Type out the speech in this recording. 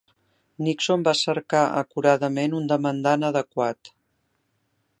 Nixon va cercar acuradament un demandant adequat.